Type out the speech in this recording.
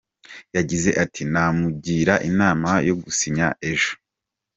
Yagize ati “Namugira inama yo gusinya ejo.